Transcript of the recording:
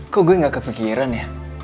kok gue gak kepikiran ya